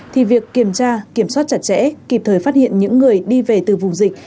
thì việc kiểm tra kiểm soát chặt chẽ kịp thời phát hiện những người đi về từ vùng dịch